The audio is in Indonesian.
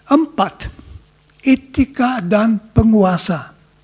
empat etika dan penguasa